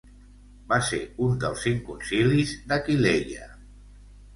Va ser un dels cinc concilis d'Aquileia.